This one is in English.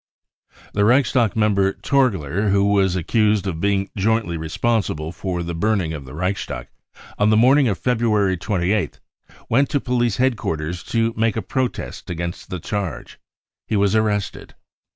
The Reichstag member Torgler, who was' accused of being jointly responsible for the burning of the Reichstag, on the morning of February 28th went to police headquarters to make a protest against the charge. He *was arrested.